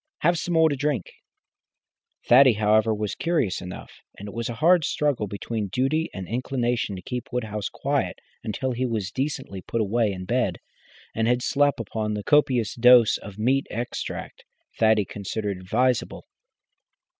Have some more to drink." Thaddy, however, was curious enough, and it was a hard struggle between duty and inclination to keep Woodhouse quiet until he was decently put away in bed, and had slept upon the copious dose of meat extract Thaddy considered advisable.